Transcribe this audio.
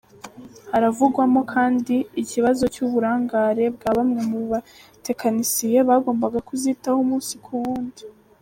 Haravugwamo kandi ikibazo cy’uburangare bwa bamwe mu batekinisiye bagombaga kuzitaho umunsi ku wundi.